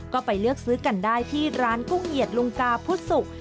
ก็ไปเลือกซื้อกันได้ที่ร้านกุ้งเหยียดลุงกาพุทธสุก